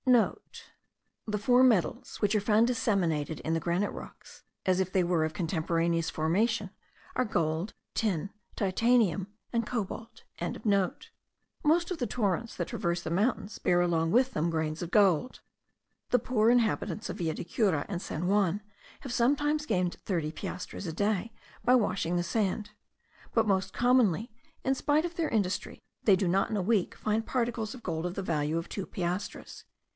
(* The four metals, which are found disseminated in the granite rocks, as if they were of contemporaneous formation, are gold, tin, titanium, and cobalt.) Most of the torrents that traverse the mountains bear along with them grains of gold. The poor inhabitants of Villa de Cura and San Juan have sometimes gained thirty piastres a day by washing the sand; but most commonly, in spite of their industry, they do not in a week find particles of gold of the value of two piastres.